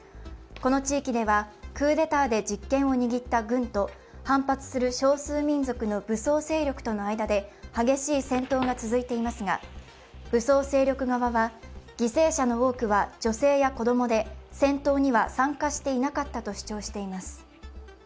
この地域ではクーデターで実権を握った軍と反発する少数民族の武装勢力との間で激しい戦闘が続いていますが、武装勢力側は犠牲者の多くは女性や子供で戦闘には参加していなかったと主張しています。